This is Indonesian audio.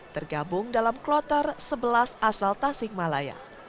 tergabung dalam klotar sebelas asal tasik malaya